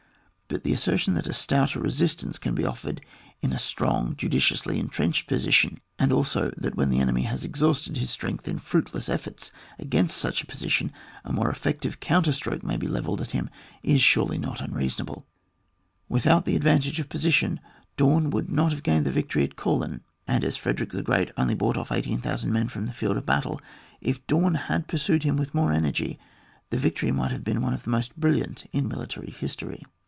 But the assertion that a stouter resistance can be offered in a strong judiciously entrenched position, and also that when the enemy has exhausted his strength in fruitless efforts against such a posi tion a more effective oounterstroke may be levelled at him, is surely not unrea sonable. Without the advantage of position Daun would not have gained the victory at Kollin, and as Frede rick the Qreat only brought off 18,000 men from the field of battle, if Daun had pursued him with more energy the victory might have been one of the most brilliant in militcuy history.